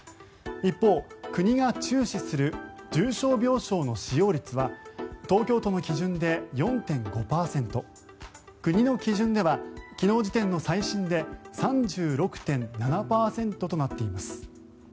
一方、国が注視する重症病床の使用率は東京都の基準で４．５％国の基準では昨日時点の最新で３６．７％となっています。